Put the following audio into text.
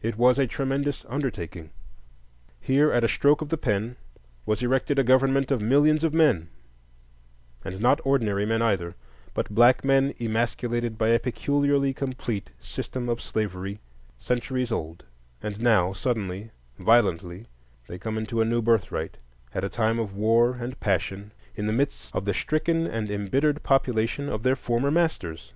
It was a tremendous undertaking. Here at a stroke of the pen was erected a government of millions of men,—and not ordinary men either, but black men emasculated by a peculiarly complete system of slavery, centuries old; and now, suddenly, violently, they come into a new birthright, at a time of war and passion, in the midst of the stricken and embittered population of their former masters.